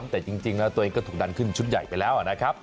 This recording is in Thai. แต่จริงแล้วตัวเองก็ถูกดันขึ้นชุดใหญ่ไปแล้วนะครับ